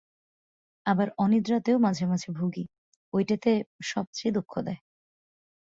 আবার অনিদ্রাতেও মাঝে মাঝে ভুগি, ঐটেতে সব চেয়ে দুঃখ দেয়।